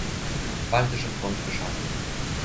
Baltische Front geschaffen.